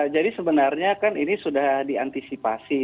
jadi sebenarnya kan ini sudah diantisipasi